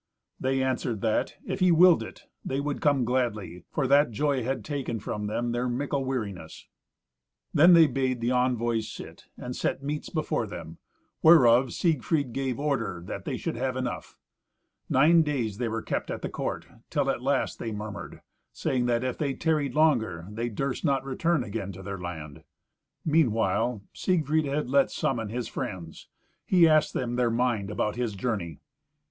They answered that, if he willed it, they would come gladly, for that joy had taken from them their mickle weariness. Then they bade the envoys sit, and set meats before them, whereof Siegfried gave order they should have enough. Nine days they were kept at the court, till at last they murmured, saying that if they tarried longer, they durst not return again to their land. Meanwhile Siegfried had let summon his friends. He asked them their mind about his journey.